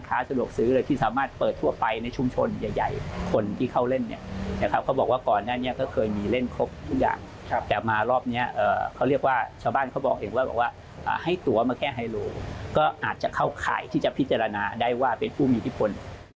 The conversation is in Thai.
แต่มารอบนี้เขาเรียกว่าชาวบ้านเขาบอกเองว่าให้ตัวมาแค่ไฮโลก็อาจจะเข้าข่ายที่จะพิจารณาได้ว่าเป็นผู้มีพิษภน